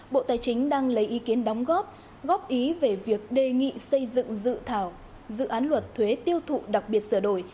bộ tài chính đang lấy ý kiến đóng góp góp ý về việc đề nghị xây dựng dự thảo dự án luật thuế tiêu thụ đặc biệt sửa đổi